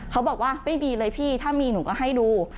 เขาบอกว่าไม่มีเลยพี่ถ้ามีหนูก็ให้ดู